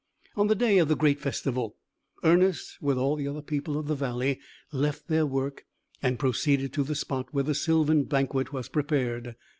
On the day of the great festival, Ernest, with all the other people of the valley, left their work, and proceeded to the spot where the sylvan banquet was prepared.